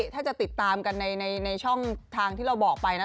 ถ้าจะติดตามกันในช่องทางที่เราบอกไปนะ